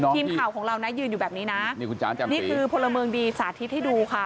ทีมข่าวของเรายืนอยู่แบบนี้นะนี่คือพลเมิงดีสาธิตให้ดูค่ะ